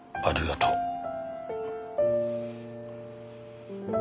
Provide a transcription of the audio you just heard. ありがとう。